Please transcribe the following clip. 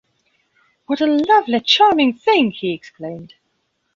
'What a lovely, charming thing!’ he exclaimed.